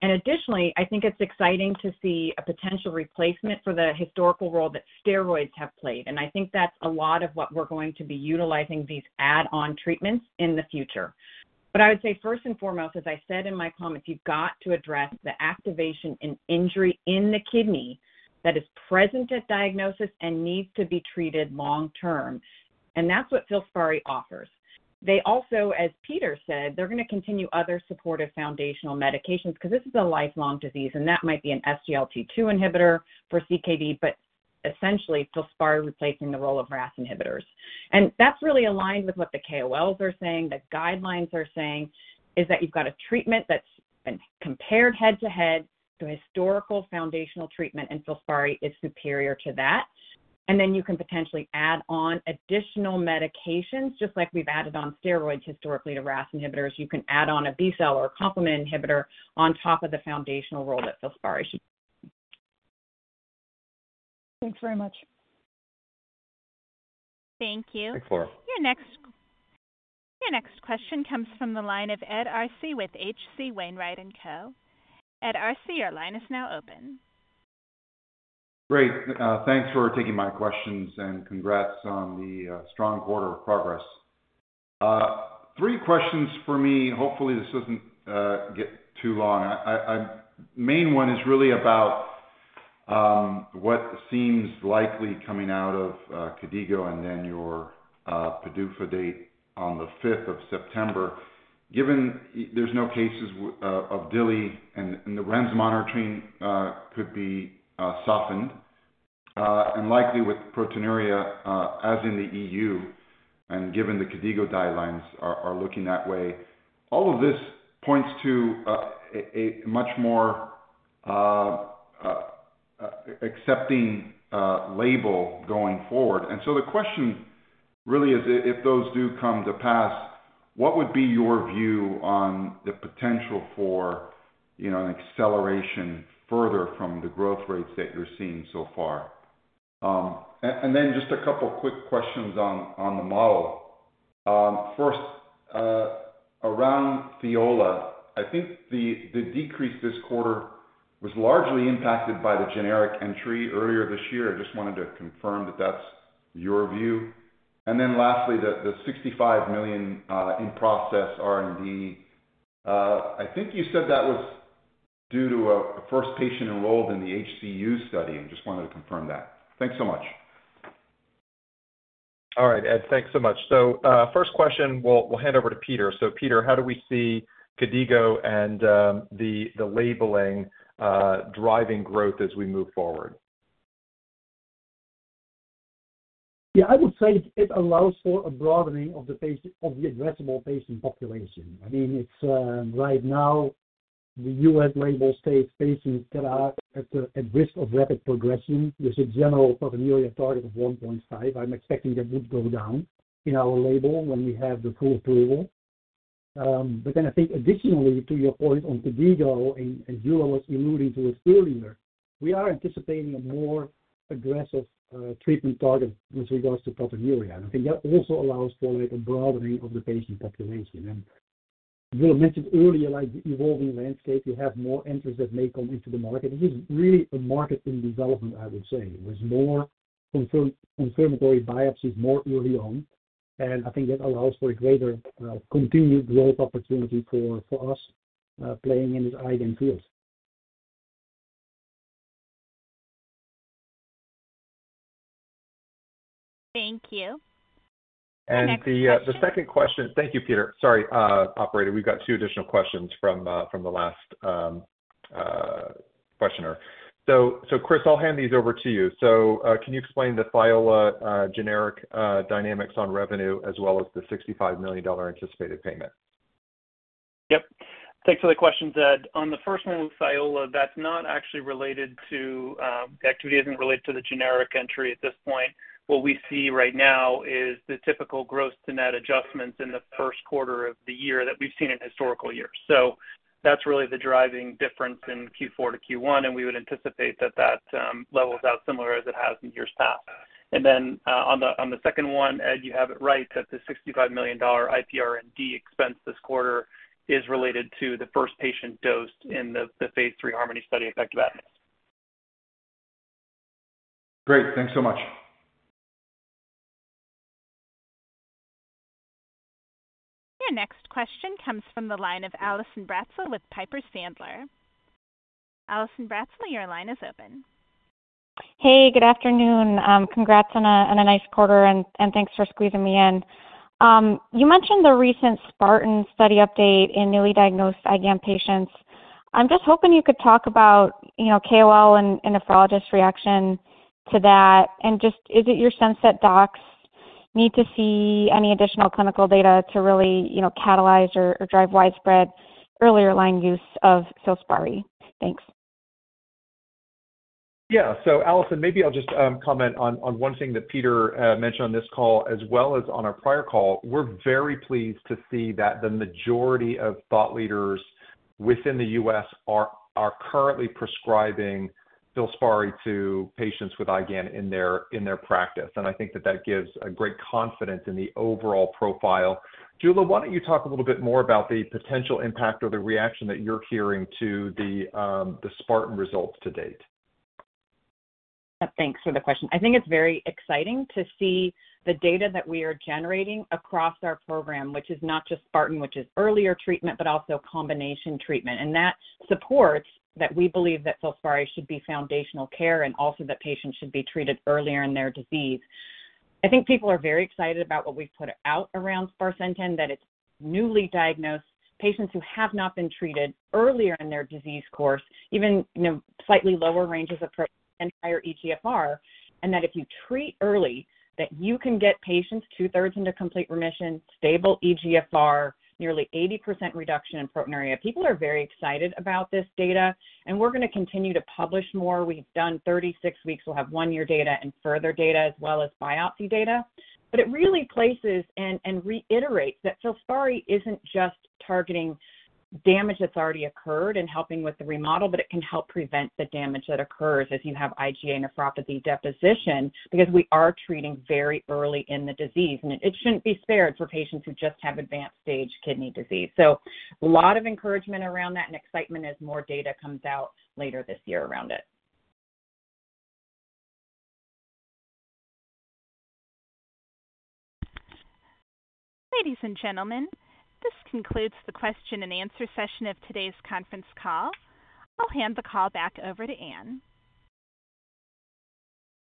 And additionally, I think it's exciting to see a potential replacement for the historical role that steroids have played. And I think that's a lot of what we're going to be utilizing these add-on treatments in the future. But I would say first and foremost, as I said in my comments, you've got to address the activation and injury in the kidney that is present at diagnosis and needs to be treated long-term. And that's what FILSPARI offers. They also, as Peter said, they're going to continue other supportive foundational medications because this is a lifelong disease, and that might be an SGLT2 inhibitor for CKD, but essentially, FILSPARI is replacing the role of RAAS inhibitors. That's really aligned with what the KOLs are saying, the guidelines are saying, is that you've got a treatment that's been compared head-to-head to historical foundational treatment, and FILSPARI is superior to that. And then you can potentially add on additional medications just like we've added on steroids historically to RAAS inhibitors. You can add on a B-cell or a complement inhibitor on top of the foundational role that FILSPARI should play. Thanks very much. Thank you. Thanks, Laura. Your next question comes from the line of Ed Arce with H.C. Wainwright & Co. Ed Arce, your line is now open. Great. Thanks for taking my questions and congrats on the strong quarter of progress. Three questions for me. Hopefully, this doesn't get too long. The main one is really about what seems likely coming out of KDIGO and then your PDUFA date on the 5th of September. There's no cases of DILI, and the REMS monitoring could be softened. And likely, with proteinuria as in the EU and given the KDIGO guidelines are looking that way, all of this points to a much more accepting label going forward. And so the question really is, if those do come to pass, what would be your view on the potential for an acceleration further from the growth rates that you're seeing so far? And then just a couple of quick questions on the model. First, around FILSPARI, I think the decrease this quarter was largely impacted by the generic entry earlier this year. I just wanted to confirm that that's your view. And then lastly, the $65 million in process R&D. I think you said that was due to a first patient enrolled in the HCU study. I just wanted to confirm that. Thanks so much. All right, Ed. Thanks so much. So first question, we'll hand over to Peter. So Peter, how do we see KDIGO and the labeling driving growth as we move forward? Yeah. I would say it allows for a broadening of the addressable patient population. I mean, right now, the U.S. label states patients that are at risk of rapid progression. There's a general proteinuria target of 1.5. I'm expecting that would go down in our label when we have the full approval. But then I think additionally to your point on KDIGO, and Jula was alluding to it earlier, we are anticipating a more aggressive treatment target with regards to proteinuria. And I think that also allows for a broadening of the patient population. And Jula mentioned earlier the evolving landscape. You have more entries that may come into the market. This is really a market in development, I would say, with more confirmatory biopsies more early on. And I think that allows for a greater continued growth opportunity for us playing in this IgAN field. Thank you. The second question. Thank you, Peter. Sorry, operator. We've got two additional questions from the last questioner. So Chris, I'll hand these over to you. So can you explain the Thiola generic dynamics on revenue as well as the $65 million anticipated payment? Yep. Thanks for the questions, Ed. On the first one with Thiola, that's not actually related to the patent activity. It isn't related to the generic entry at this point. What we see right now is the typical gross-to-net adjustments in the first quarter of the year that we've seen in historical years. So that's really the driving difference in Q4 to Q1, and we would anticipate that that levels out similar as it has in years past. And then on the second one, Ed, you have it right that the $65 million IPR&D expense this quarter is related to the first patient dosed in the phase III Harmony study of Pegtibatinase. Great. Thanks so much. Your next question comes from the line of Allison Bratzel with Piper Sandler. Allison Bratzel, your line is open. Hey. Good afternoon. Congrats on a nice quarter, and thanks for squeezing me in. You mentioned the recent SPARTAN study update in newly diagnosed IgAN patients. I'm just hoping you could talk about KOL and nephrologist reaction to that. And just is it your sense that docs need to see any additional clinical data to really catalyze or drive widespread earlier-line use of FILSPARI? Thanks. Yeah. So Allison, maybe I'll just comment on one thing that Peter mentioned on this call as well as on our prior call. We're very pleased to see that the majority of thought leaders within the U.S. are currently prescribing FILSPARI to patients with IgAN in their practice. And I think that that gives a great confidence in the overall profile. Jula, why don't you talk a little bit more about the potential impact or the reaction that you're hearing to the SPARTAN results to date? Yep. Thanks for the question. I think it's very exciting to see the data that we are generating across our program, which is not just SPARTAN, which is earlier treatment, but also combination treatment. And that supports that we believe that FILSPARI should be foundational care and also that patients should be treated earlier in their disease. I think people are very excited about what we've put out around sparsentan, that it's newly diagnosed, patients who have not been treated earlier in their disease course, even slightly lower ranges of proteinuria and higher eGFR, and that if you treat early, that you can get patients two-thirds into complete remission, stable eGFR, nearly 80% reduction in Proteinuria. People are very excited about this data, and we're going to continue to publish more. We've done 36 weeks. We'll have one-year data and further data as well as biopsy data. But it really places and reiterates that FILSPARI isn't just targeting damage that's already occurred and helping with the remodel, but it can help prevent the damage that occurs as you have IgA nephropathy deposition because we are treating very early in the disease. And it shouldn't be spared for patients who just have advanced-stage kidney disease. So a lot of encouragement around that and excitement as more data comes out later this year around it. Ladies and gentlemen, this concludes the question-and-answer session of today's conference call. I'll hand the call back over to Anne.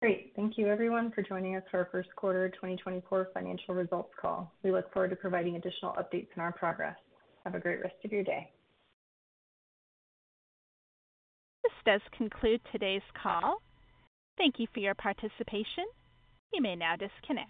Great. Thank you, everyone, for joining us for our first quarter 2024 financial results call. We look forward to providing additional updates on our progress. Have a great rest of your day. This does conclude today's call. Thank you for your participation. You may now disconnect.